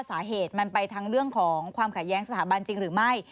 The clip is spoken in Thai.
สาเหตุมันไปทั้งเรื่องของความขัดแย้งสถาบันจริงหรือไม่